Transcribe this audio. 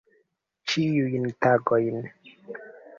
Ĉiujn tagojn.